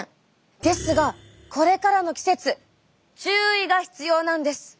ですがこれからの季節注意が必要なんです。